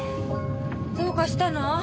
どうかしたの？